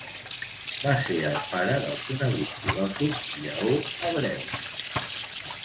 Va ser el pare del conegut filòsof Lleó Hebreu.